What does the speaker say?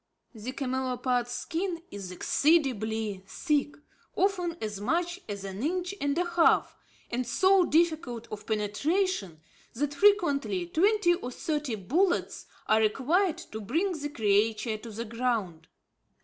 The camelopard's skin is exceedingly thick, often as much as an inch and a half and so difficult of penetration, that frequently, twenty or thirty bullets are required to bring the creature to the ground.